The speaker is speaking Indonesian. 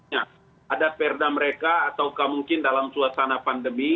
ya ada perda mereka atau mungkin dalam suasana pandemi